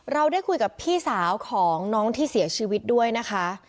เราได้คุยกับพี่สาวของน้องที่เสียชีวิตด้วยนะคะ